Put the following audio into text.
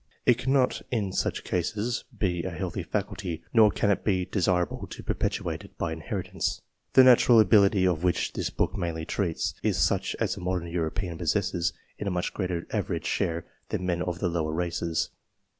It cannot in such cases be a healthy faculty, nor can it be desirable to perpetuate it by inheritance. The natural ability of which this book mainly treats, is such as a modern European possesses in a much greater average share than men of the lower races.